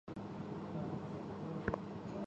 长穗虫实是苋科虫实属的植物。